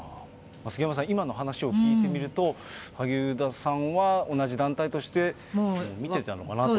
杉山さん、今の話を聞いてみると、萩生田さんは同じ団体として見てたのかなと。